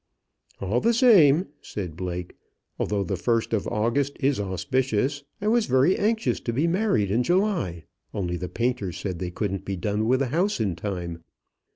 "All the same," said Blake, "although the 1st of August is auspicious, I was very anxious to be married in July, only the painters said they couldn't be done with the house in time.